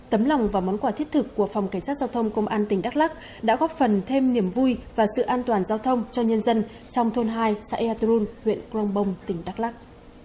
tấm lòng và món quà thiết thực của phòng cảnh sát giao thông công an tỉnh đắk lắc đã góp phần thêm niềm vui và sự an toàn giao thông cho nhân dân trong thôn hai xã eaturun huyện crong bông tỉnh đắk lắc